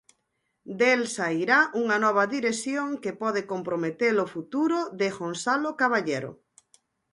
Del sairá unha nova dirección que pode comprometer o futuro de Gonzalo Caballero.